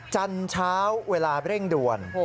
จันทร์เวลาเร่งด่วน